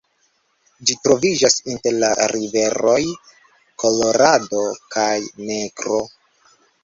Ĝi troviĝas inter la riveroj Kolorado kaj Negro.